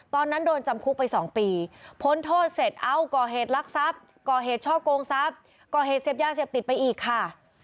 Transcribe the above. ตอนนั้นโดนจำคุกไป๒ปีพ้นโทษเสร็จเอ้าก่อเหตุลักษัพก่อเหตุช่อกงทรัพย์ก่อเหตุเสพยาเสพติดไปอีกค่ะ